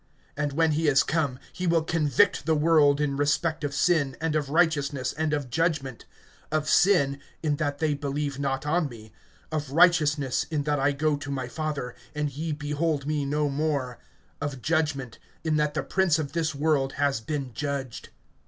(8)And when he is come, he will convict the world, in respect of sin, and of righteousness, and of judgment; (9)of sin, in that they believe not on me; (10)of righteousness, in that I go to my Father, and ye behold me no more; (11)of judgment, in that the prince of this world has been judged.